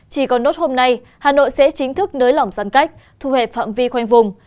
chỉ còn nốt hôm nay hà nội sẽ chính thức nới lỏng giãn cách thu hẹp phạm vi khoanh vùng